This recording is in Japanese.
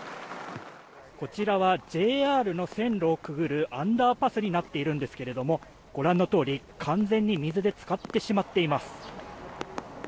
こちらはＪＲの線路をくぐるアンダーパスになっているんですけれども完全に水で浸かってしまっています。